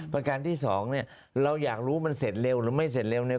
ประการที่สองเนี่ยเราอยากรู้มันเสร็จเร็วหรือไม่เสร็จเร็วเนี่ย